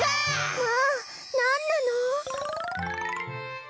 まあなんなの？